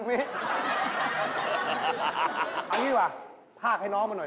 เอาอย่างนี้ดีกว่าภาคให้น้องเอามาหน่อย